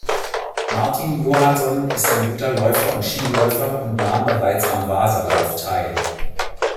Martin Johansson ist ein guter Läufer und Skiläufer und nahm bereits am Wasalauf teil.